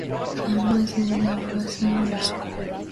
Evans is of Welsh origin.